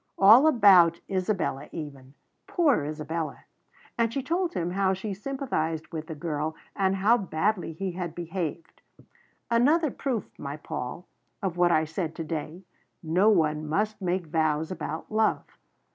All about Isabella even poor Isabella! And she told him how she sympathised with the girl, and how badly he had behaved. "Another proof, my Paul, of what I said today no one must make vows about love."